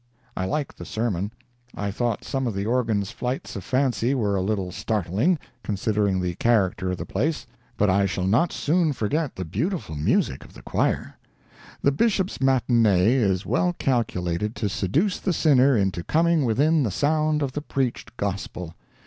I liked the sermon. I thought some of the organ's flights of fancy were a little startling, considering the character of the place, but I shall not soon forget the beautiful music of the choir. The Bishop's matinee is well calculated to seduce the sinner into coming within the sound of the preached Gospel.